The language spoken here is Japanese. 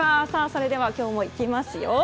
それでは今日も行きますよ。